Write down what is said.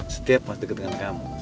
setiap mas deket dengan kamu